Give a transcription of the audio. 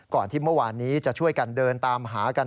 ที่เมื่อวานนี้จะช่วยกันเดินตามหากัน